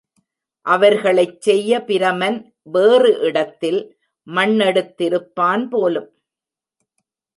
அவர்களைச் செய்ய பிரமன் வேறு இடத்தில் மண்ணெடுத்திருப்பான் போலும்!